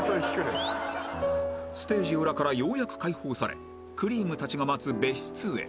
ステージ裏からようやく解放されくりぃむたちが待つ別室へ